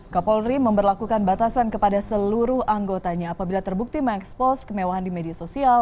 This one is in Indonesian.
kapolri memperlakukan batasan kepada seluruh anggotanya apabila terbukti mengekspos kemewahan di media sosial